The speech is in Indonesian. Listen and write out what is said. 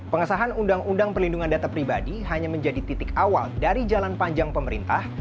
pengesahan undang undang perlindungan data pribadi hanya menjadi titik awal dari jalan panjang pemerintah